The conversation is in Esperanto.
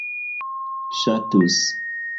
ŝatus